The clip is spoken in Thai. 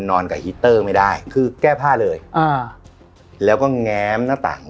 นอนกับฮิตเตอร์ไม่ได้คือแก้ผ้าเลยอ่าแล้วก็แง้มหน้าต่าง